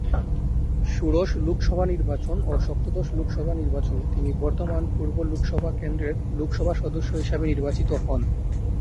ষোড়শ লোকসভা নির্বাচন ও সপ্তদশ লোকসভা নির্বাচনে তিনি বর্ধমান পূর্ব লোকসভা কেন্দ্রের লোকসভা সদস্য হিসেবে নির্বাচিত হন।